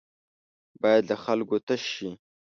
بايد له خلکو تش شي.